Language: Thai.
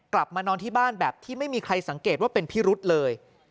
กลับมานอนที่บ้านแบบที่ไม่มีใครสังเกตว่าเป็นพิรุษเลย